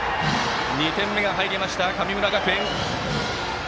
２点目が入りました、神村学園。